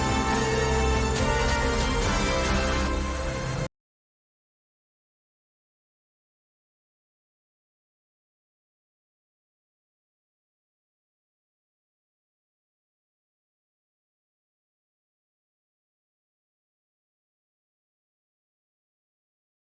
โหสวัสดีคุณครับ